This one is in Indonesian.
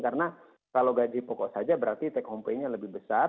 karena kalau gaji pokok saja berarti take home pay nya lebih besar